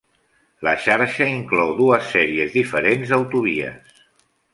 La xarxa inclou dues sèries diferents d'autovies.